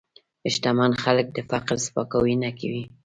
شتمن خلک د فقر سپکاوی نه کوي.